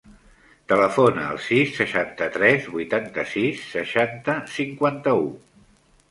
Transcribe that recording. Telefona al sis, seixanta-tres, vuitanta-sis, seixanta, cinquanta-u.